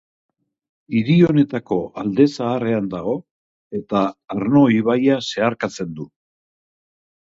Hiri honetako Alde Zaharrean dago, eta Arno ibaia zeharkatzen du.